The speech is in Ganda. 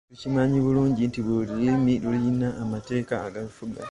Tukimanyi bulungi nti buli lulimi lulina amateeka agalufuga.